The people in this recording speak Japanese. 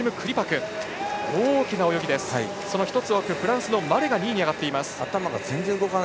そしてフランスのマレが２位に上がっています。